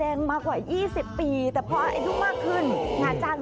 มอลำคลายเสียงมาแล้วมอลำคลายเสียงมาแล้ว